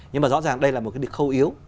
nhưng mà rõ ràng đây là một cái địch khâu yếu